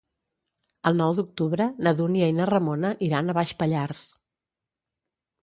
El nou d'octubre na Dúnia i na Ramona iran a Baix Pallars.